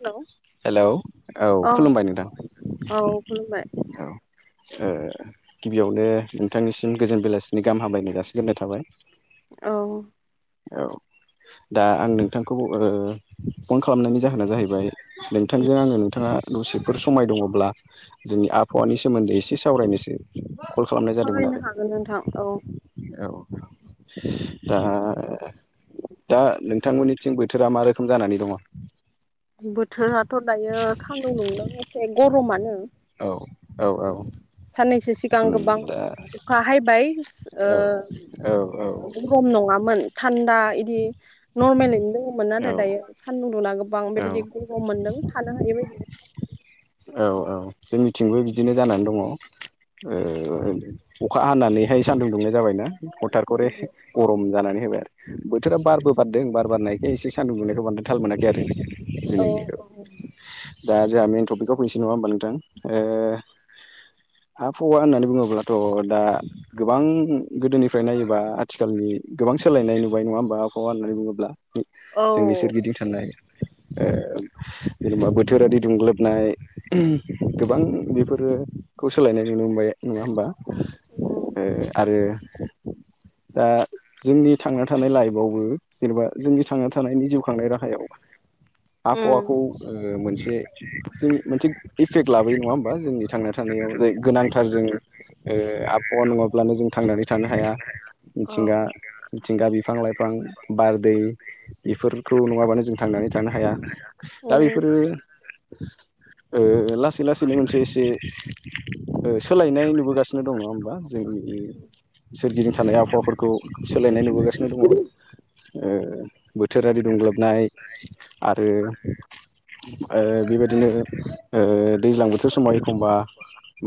Hello hello औ खुलुमबाय नोंथां औ खुलुमबाय औ ओ गिबियावनो नोंथांनिसिम गोजोन बेलासि नि गाहाम हामलायनाय जासिगोरनाय थाबाय औ औ दा आं नोंथांखौ ओ फन खालामनायनि जाहोना जाहैबाय नोंथांजों आङो नोंथाङा आ दसेफोर समाय दङ'ब्ला जोंनि आबहावानि सोमोन्दै एसे सावरायनोसै कल खालामनाय जादोंमोन सावरायनो आरो हागोन नोंथां औ औ दा ओ दा नोंथांमोननिथिं बोथोरा मा रोखोम जानानै दङ' बोथोराथ' दायो सान्दुं दुंदों एसे गरमानो औ औ साननैसो सिगां उम गोबां दा अखा हायबाय ओ औ औ औ ओ मोन थान्दा इदि नर्मेलयैनो दोङोमोन औ नाथाय दायो सान्दुं दुंना गोबां औ बेबायदि गरम मोनदों थानो हायै बायदि औ औ जोंनिथिंबो बिदिनो जानानै दङ' ओ अखा हानानैहाय सान्दुं दुंनाय जाबायना हरथात खरे गरम जानानै होबाय आरो बोथोरा बारबो बारदों बार बारनाय बे एसे सान्दुं दुंनायखौ बांद्राय थाल मोनाखै आरो औ दिनैनिखौ औ दा जोंहा मेन थपिकआव फैनोसै नङा होमबा नोंथां ओ आबहावा होननानै बुङोब्लाथ' दा गोबां गोदोनिफ्राय नायोबा आथिखालनि नि गोबां सोलायनाय नुबाय नङा होमबा आबहावा होननानै बुङोब्ला [unintelligible] जोंनि औ सोरगिदिं थानाय ओम जेनेबा बोथोरारि दुंग्लोबनाय गोबां बेफोरो खौ सोलायनाय नुनो मोनबाय नङा होमबा ओ उम आरो दा जोंनि थांना थानाय लाइफआवबो जेनेबा जोंनि थांना थानायनि जिउ खांनाय राहायाव [unintelligible] उम मोनसे जों मोनसे इफेक्ट लाबोयो नङा होमबा जोंनि थांना थानायाव जाय गोनांथार जों आबहावा नङाब्लानो जों थांनानै थानो हाया। औ मिथिंगा मिथिंगा बिफां लाइफां बारदै बेफोरखौ नङाबानो जों थांनानै थानो हाया दा उम बेफोरो लासै लासैनो मोनसे एसे सोलायनाय नुबोगासिनो दं नङा होमबा जोंनि सोरगिदिं थानाय आबहावाफोरखौ सोलायनाय नुबोगासिनो दङ। बोथोरारि दुंग्लोबनाय आरो। बेबायदिनो दैज्लां बोथोर समाव एखमबा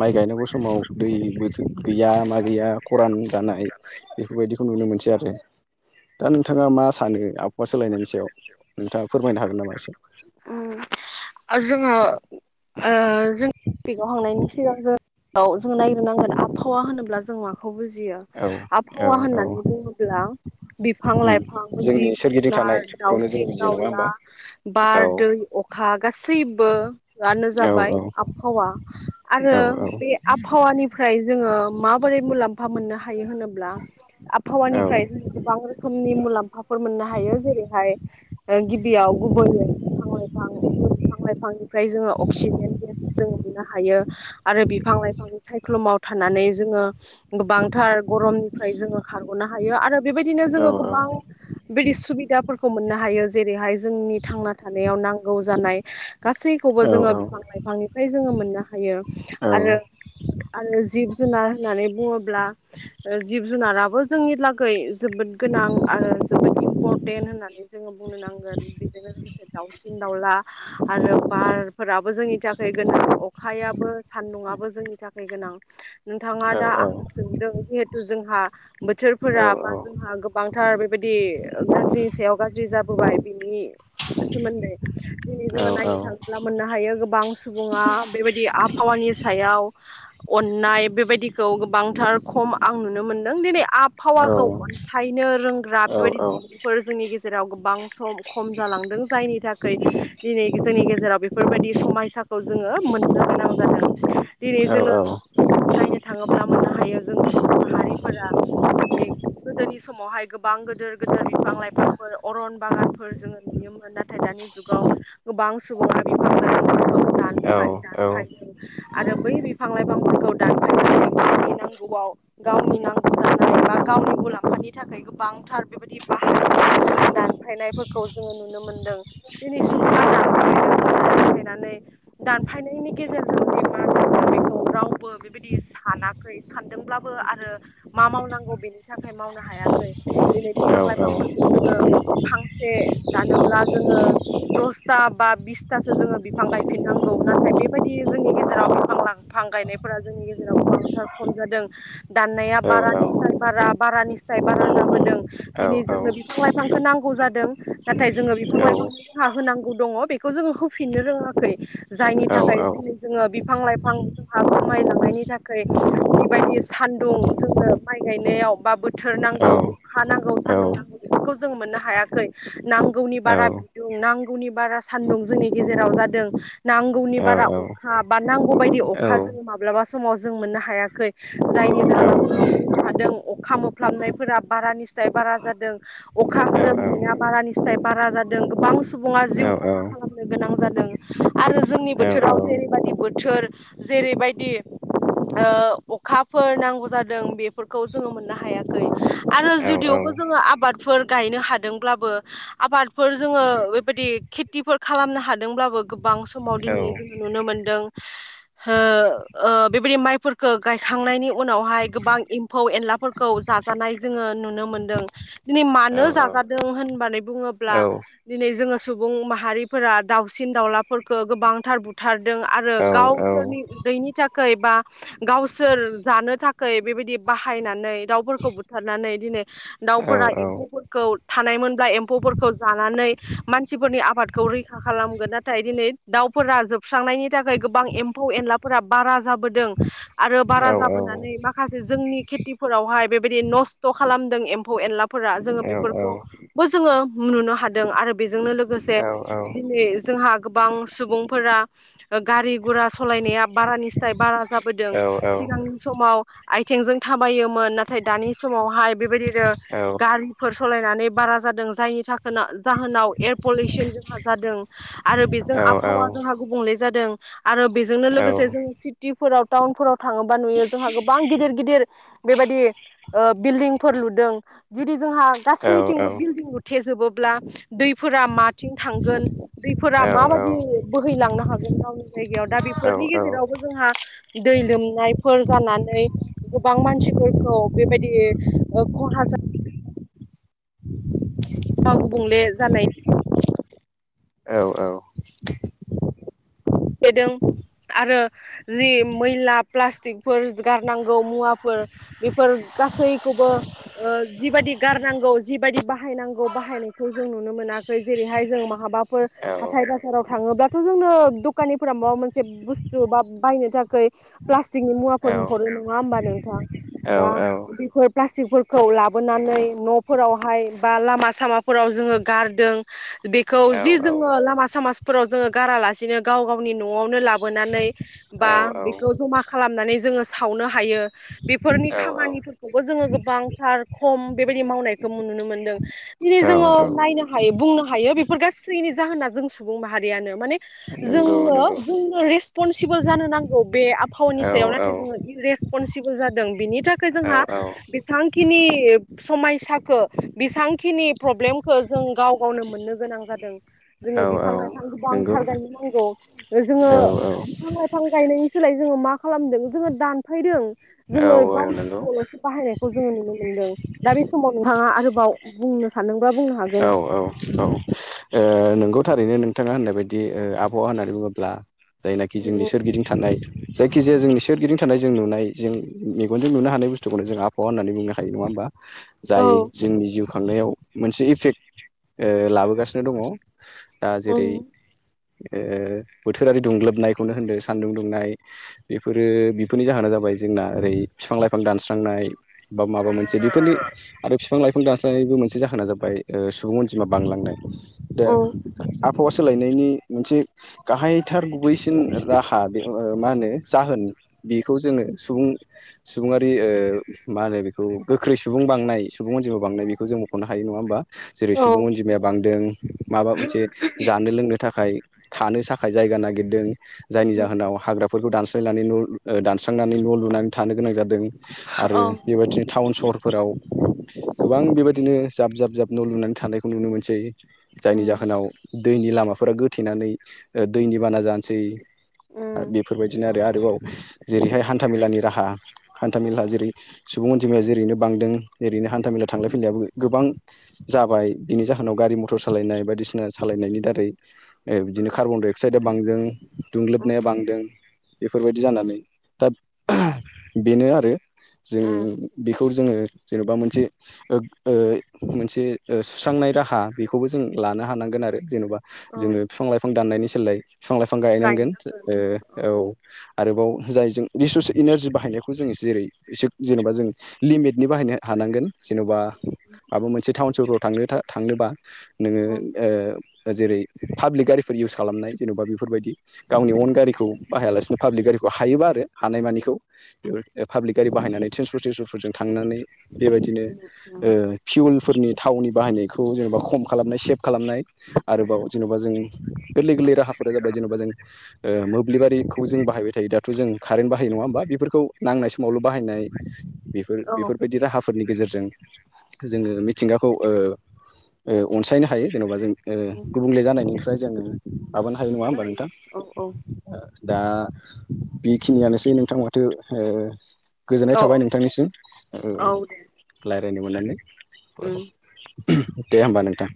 माइ गायनांगौ समाव दै बो गैया मा गैया खरान जानाय बेफोरबायदिखौ नु- नो मोनसै आरो दा नोंथाङा मा सानो? आबहावा सोलायनायनि सायाव नोंथाङा फोरमायनो हागोन नामा एसे जोङो [unintelligible] सिगां जों आव जोङो नायग्रोनांगोन आबहावा होनोब्ला जों मा खौ बुजियो औ औ आबहावा औ होननानै बुङोब्ला बिफां उम लाइफां जोंनि जिब सोरगिदिं जुनार थानायखौनो जों दाउसिन बुजियो नङा दाउला होमबा औ बार दै अखा गासैबोआनो औ जाबाय आबहावा आरो औ औ बे आबहावानिफ्राय जों ङो माबोरै मुलाम्फा मोननो हायो होनोब्ला औ आबहावानिफ्राय जों गोबां रोखोम नि मुलाम्फाफोर मोननो हायो जेरैहाय गिबियाव गुबैयै बिफां लाइफां जों बिफां लाइफांनिफ्राय जोङो अक्सिजेन गेस जोङो मोननो हायो आरो बिफां लाइफांनि सायख्लुमाव थानानै जोङो गोबांथार गरमनिफ्राय जोङो खारग'नो हायो आरो। बेबायदिनो औ जोङो गोबां बिदि सुबिदाफोरखौ मोननो हायो जेरैहाय जोंनि थांना थानायाव नांगौ जानाय गासैखौबो औ जोङो बिफां लाइफांनिफ्राय जोङो मोननो हायो आरो। आरो जिब जुनार होननानै बुङोब्ला जिब जु जुनाराबो जोंनि लागै जोबोद गोनां आरो जोबोद इम्परटेन्ट होननानै जोङो बुंनो नांगोन। बेजोंनो लोगोसे दाउसिन दाउला आरो बाहारफोराबो जोंनि थाखाय गोनां। अखायाबो सान्दुंङाबो जोंनि थाखाय गोनां। नोंथाङा औ दा आंखौ सोंदों जिहेथु जोंहा बोथोरफोरा बा जोंहा गोबांथार बेबायदि दि गाज्रिनि सायाव गाज्रि जाबोबाय बिनि सोमोन्दै दिनै जोङो नायनो थाङोब्ला मोननो हायो गोबां सुबुङा बेबायदि आबहावानि सायाव अननाय बेबायदिखौ गोबांथार खम आं नुनो मोनदों दिनै। औ आफावाखौ अनसायनो रोंग्रा औ बेबायदि औ सुबुंफोर जोंनि गेजेराव जेराव गोबां सम खम जालां जायनि थाखाय दिनै जोंनि गेजेराव बेफोरबायदि समायसाखौ जोङो मोननो गोनां जादों। दिनै जोङो नायनो थाङोब्ला मोननो हायो जों सुबुं माहारिफोरा गोदोनि समावहाय गोबां गोदोर गोदिर बिफां लाइफांफोर अरन बागानफोर जोङो नुनो मोनो। नाथाय दानि जुगाव गोबां सुबुङा बिफां औ दानफाय औ। दानफायदों आरो बै बिफां लाइफांफोरखौ दानफय गौवाव गावनि नांगौ जानाय बा गावनि मुलाम्फानि थाखाय गोबांथार बेबायदि दानफायनायफोरखौ जोङो नुनो मोनो। दिनै सुबुंमाहा [inaudible] दानफायनायनि गेजेरजों जेब्ला बेखौ रावबो बेबायदि सानाखै सानदोंब्लाबो आरो मा मावनांगौ बेनि थाखाय मावनो हायाखै दिनै बिफां लाइफांफोरखौ [unintelligible] फांसे जोंङो दसथा बा बिसथासो जोंङो बिफां गायफिननांगौ नाथाय बेबायदि जोंनि गेजेराव बिफां लांफां गायनायफोरा जोंनि गेजेराव गोबांथार खम जादों दाननाया बारा निस्थाय बारा बारा निस्थाय बारा जाबोदों दिनै जोंनो बिफां लाइफांखौ नांगौ जादों नाथाय जोंङो औ नांगौ दंङ बेखौ जोङो होफिननो रोंङाखै जायनि थाखाय दिनै जोंङो बिफां लाइफां जोंहा खमायलांनायनि थाखै जिबायदि सान्दुं जोंङो माइ गायनायाव बा बोर थोर नांगौ अखा नांगौ सानदुं नांगौ बेफोरखौ जों मोननो हायाखै नांगौनि बारा बिदुं नांगौनि बारा सान्दुं जोंनि गेजेराव जादों नांगौनि बारा अखा बा नांगौ बायदि अखा जों माब्लाबा समाव जों मोननो हायाखै जायनि जाहोनाव हादों अखा मोफ्लाबनायफोरा बारा निस्थ बारा जादों अखा खोरोमनाया बारानि निस्थ बारा जादों गोबां सुबुङा जिउ खहा खालामनो गोनां जादों आरो जोंनि बोथोराव जेरैबायदि बोथोर जेरैबायदि ओ अखाफोर नांगौ जादों बेफोरखौ जोंङो मोननो हायाखै आरो जुदियावबो जोंङो आबादफोर गायनो हादोंब्लाबो आबादफोर जोंङो बेबायदि खेथिफोर खालामनो हादों दोंब्लाबो गोबां समाव दिनै जों नुनो मोनदों हो ओ बेबायदि माइ खो गायखांनायनि उनावहाय गोबां एम्फौ एनलाफोरखौ जाजानाय जोंङो नुनो मोनदों दिनै मानो जा जादों होनबानै बुंङोबा ब्ला दिनै जोंङो सुबुं माहारिफोरा दाउसिन दाउलाफोरखौ गोबांथार बुथार दों आरो गावसोरनि उदैनि थाख बा गावसोर जानो थाखाय बेबायदि बाहायनानै दाउफोरखौ बुथारनानै दिनै दाउफोरा एम्फौफोरखौ थानायमोनब्ला एम्फौफोरखौ मानसिफोरनि आबादखौ रैखा खालामगोन नाथाय दिनै दाउफोरा जोबस्रांनायनि थाखाय गोबां एम्फौ एनलाफोरा बारा जाब आरो बारा जाबोनानै माखासे जोंनि खेथिफोरावहाय बेबायदि नस्थ' खालाम एम्फौ एनलाफोरा जोङो बेफोरखौबो जोंङो नुनो हादों आरो बेजोंनो लोगोसे दिनै जोंहा गोबां सुबुंफोरा गारि गुरा सालायनाया बारानि निस्थ बारा जाबोदों सिगांनि समाव आ आथिंजों थाबायोमोन नाथाय दानि समावहाय बेबायदिनो गारिफोर सालायनानै बारा जादों जाय जोना जाहोनाव एयार पलिउसन जोंहा जादों आरो बेजों आबहावा जोंहा गुबुंले जादों आरो बेजोंनो लोगोसे जोंङो सिटिफोराव टाउनफोराव थाङोबा नुयो जोंहा गोबां गिदिर गिदिर बेबायदि बिल्डिंफोर लुदों जुदि जोंहा गासैथिंबो बिल्डिं लु बब्ला दैफोरा माथिं थांगोन दैफोरा माबायदि बोहैलांनो हागोन गावनि जायगायाव दा बेफोरनि गेजेरावबो जोंहा दै लोमनायफोर जानानै गोबां मानसिफोरखौ बेबायदि खहा ज हा गुबुंले जानाय औ औ गोदों आरो जि मैला प्लास्टिकफोर गारनांगौ मुवाफोर बे फोर गासैखौबो जिबायदि गारनांगौ जिबायदि बाहायनांगौ बाहायनायखौ जों नुनो मोनाखै जेरैहाय जों माहा बहाबाफोर हाथाय बाजाराव थांङोबाथ जोंङो दखानिफोरा माबा मोनसे बुस्थु बा बायनो थाखाय प्लास्टिकनि मुवाफोर न हरो नंङा होमबा नोंथाङा दा बिफोर प्लास्टिकफोरखौ लाबोनानै न'फोरावहाय बा लामा सामाफोराव जोङो गारदों। बेखौ जि जोङो लामा सामाजफोराव जोङो गारालासिनो गाव गावनि न'आवनो लाबोनानै औ बा बेखौ जमा खालामनानै जोङो सावनो हायो। बेफोरनि औ खामानिफोरखौबो जोङो गोबांथार खम बेबायदि मावनायखौ नुनो मोनदों। दिनै औ जोङो औ नायनो हायो बुंनो हायो बेफोर गासैनि जाहोना जों सुबुं माहारियानो माने नंगौ जोङो नंगौ जोंनो रेसपनसिबोल जानो नांगौ बे आबहावानि औ सायाव औ नाथाय जोङो रेसपनसि बोल जादों बिनि थाखाय औ जोंहा औ बेसेबांखिनि समायसाखौ बेसांखिनि खिनि प्रब्लेमखौ जों गाव गावनो मोननो गोनां जादों जोङो बिफां लाइफां नंगौ औ दानथारदों नोंगौ जोङो औ नंगौ औ बिफां लाइफां गायनायनि सोलाय जोङो मा खालामदों जोङो दानफायदों औ जोङो [unintelligible] बाहायनायखौ जोङो नुनो मोनदों दा बे समाव नोंथाङा आरोबाव बुंनो सानदों बा बुंनो हागोन। नोंगौ थारैनो नोंथाङा होननाय बायदि आबहावा होननानै बुङोब्ला जायनाखि जोंनि सोरगिदिं थानाय जायखिजाया जोंनि सोरगिदिं थानाय जों नुनाय जों मेगनजों नुनो हानाय बुस्थुखौनो जों आबहावा होननानै बुंनो हायो नङा होमबा औ जाय जोंनि जिउ खांनायाव मोनसे इफेक्ट ओ लाबोगासिनो दङ दा उम जेरै ओ बोथोरारि दुंग्लोबनायखौनो होनो सानदुं दुंनाय बेफोरो बेफोरनि जाहोना जाब बाय जोंना ओरै बिफां लाइफां दानस्रांनाय बा माबा मोनसे बेफोरनि आरो बिफां लाइफां दानस्रां नि मोनसे जाहोना जाबाय सुबुं अनजिमा बांलांनाय। दा औ उम आबहावा सोलायनायनि मोनसे गाहायथार गुबैसिन राहा बे मा होनो जाहोन बेखौ जोङो सुबुं सुबङारि ओ मा होनो बेखौ गोख्रै सुबुं बांनाय सुबुं अजिमा बांनायखौ जों मुंख'नो हायो नङा होनोमबा? जेरै औ सुबुं अनजिमाया बांदों माबा मोनसे जानो लोंनो थाख खाय थानो थाखाय जायगा नागिरदों जायनि जोनाव हाग्राफोरखौ दानस स्रांनानै दानस्रां न' लनानै गोनां जादों आरो बेबायदिनो टाउन सहरफोराव गोबां बेबायदिनो जाब जाब जाब न' लुनानै थानायखौ नुनो मोनसै। जायनि उम जाहोनाव दैनि लामाफोरा गोथेनानै दैनि बाना जानोसै। उम बेफोरबायदिनो आरो आरोबाव जेरैहाय हान्थामेलानि राहा हान्था मेला जेरै सु बुं अनजिमाया जेरैनो बांदों ओरैनो हान्था मेला थांलाय फैलायबो गोबां जाबाय बिनि जाहोनाव गारि मथर सालायनाय बायदिसिना सालायनायनि दारै ओ बिदिनो कार्बन डाइ अक्साइदा बांदों उम दुंलोबनाया बांदों। बेफोरबायदि जानानै दा बेनो आरो जों उम बेखौ खौ जोङो जेन'बा मोनसे ओ ओ मोनसे ओ सुस्रांनाय राहा बेख खौबो जों लानो हानांगोन आरो जेन'बा औ जोङो बफिफां लाइफां दाननायनि सोलाय फिफां लाइफां गायनांगोन ओ औ आरोबाव जाय जों रिसर्सस इनारजि बाहायनायखौ जोंङो जेरै एसे जेन'बा जों लिमिटनि बाहायनो हानांगोन। जेन'बा माबा मोनसे टाउन सफोराव थांनो था थांनोबा‌ नोङो औ ओ जेरै पाब्लिक गारिफोर इउस खालामनाय जेन'बा बेफोरबायदि गावनि अन गारिखौ बाहायालासिनो पाब्लिक गारिखौ हायोबा आरो हानायमानिखौ बे पाब्लिक गारि बाहायनानै ट्रेन्सपर्ट टेसनफोरजों थांनानै बेबायदिनो औ फिउलफोरनि थाव बायनायखौ जेनबा खम खालामनाय सेभ खालामनाय आरोबाव जेन'बा जों गोरलै गोरलै राहाफोरा जाबाय जेनेबा जों ओ मोब्लिबारिखौ जों बायबाय थायो दाथ' जों कारेन्ट बाहायो नङा होमबा बेफोर खौ नांनाय समावल' बाहायनाय बेफोर बेफोरबायदि राहा फोरनि गेजेरजों जोङो मिथिंगाखौ ओ ओ अनसायनो हायो जेन'बा जों ओ गुबुंले जानायनिफ्राय जोङो माबानो हायो नङा खोन्थानो होमबा नोंथां? औ औ दा बेखिनियानोसै नोंथां माथो ओ गोजोननाय औ थाबाय नोंथांनिसिम औ दे रायलायनो मोननानै। उम दे होमबा नोंथां।